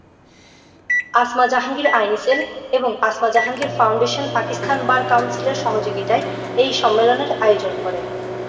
আসমা জাহাঙ্গীর আইনী সেল এবং Asma Jahangir foundation Pakistan bar কাউন্সিলের সহযোগিতায় এই সম্মেলনের আয়োজন করে।